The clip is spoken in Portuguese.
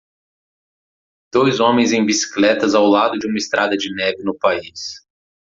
dois homens em bicicletas ao lado de uma estrada de neve no país